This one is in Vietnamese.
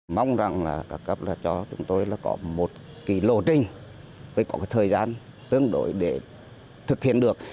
mong rằng là các cấp là cho chúng tôi là có một cái lộ trình phải có thời gian tương đối để thực hiện được